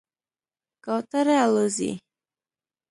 کوتره الوځي.